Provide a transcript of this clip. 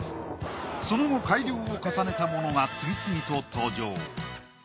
その後改良を重ねたものが次々と登場。